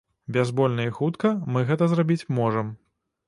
Бязбольна і хутка мы гэта зрабіць можам.